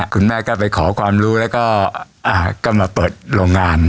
คุณแม่ก็ไปขอความรู้แล้วก็มาเปิดโรงงาน